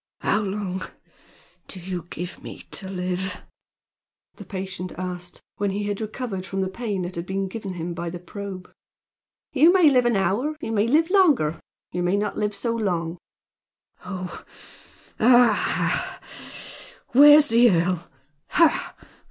"How long do you give me to live?" the patient asked, when he had recovered from the pain that had been given him by the probe. "You may live an hour; you may live longer, and you may not live so long." "Oh! Aha! ha! ha! Where's the earl? Ha!